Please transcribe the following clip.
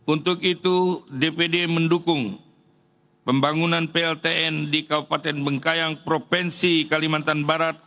untuk itu dpd mendukung pembangunan pltn di kabupaten bengkayang provinsi kalimantan barat